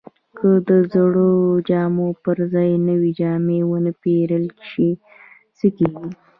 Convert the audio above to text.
که د زړو جامو پر ځای نوې جامې ونه پیرل شي، څه کیږي؟